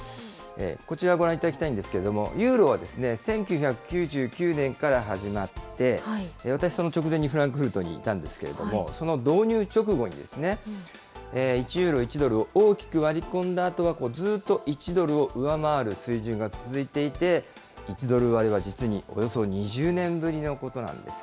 こちら、ご覧いただきたいんですけれども、ユーロは１９９９年から始まって、私、その直前にフランクフルトにいたんですけれども、その導入直後に、１ユーロ、１ドルを大きく割り込んだあと、ずっと１ドルを上回る水準が続いていて、１ドル割れは実におよそ２０年ぶりのことなんです。